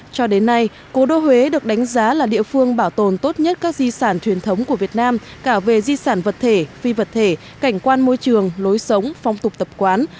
cho đến nay cố đô huế được đánh giá là địa phương bảo tồn tốt nhất các di sản truyền thống của việt nam cả về di sản vật thể phi vật thể cảnh quan môi trường lối sống phong tục tập quán